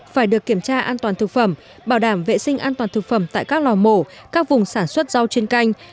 phải được kiểm tra an toàn thực phẩm bảo đảm vệ sinh an toàn thực phẩm tại các lò mổ các vùng sản xuất rau chuyên canh